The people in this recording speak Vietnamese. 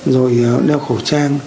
rồi đeo khẩu trang